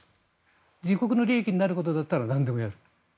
自国の利益になることだったらなんでもやる。